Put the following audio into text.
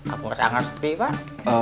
aku sangat sedih pak